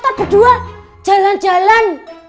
bapak berdua jalan jalan